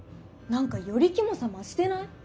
何かよりキモさ増してない？